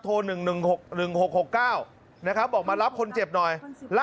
๑๑๖๑๖๖๙นะครับบอกมารับคนเจ็บหน่อย